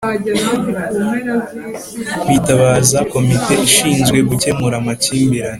bitabaza Komite ishinzwe gukemura amakimbirane